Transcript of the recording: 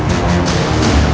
setelah participating di intim itu